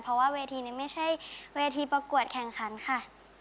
เพราะว่าเวทีนี้ไม่ใช่เวทีประกวดแข่งขันค่ะ